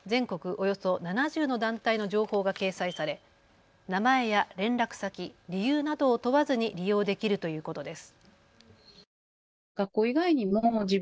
およそ７０の団体の情報が掲載され名前や連絡先、理由などを問わずに利用できるということです。